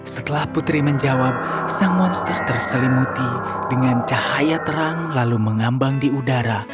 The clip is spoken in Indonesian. setelah putri menjawab sang monster terselimuti dengan cahaya terang lalu mengambang di udara